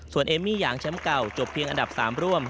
ส่วนเอมมี่อย่างแชมป์เก่าจบเพียงอันดับ๓ร่วม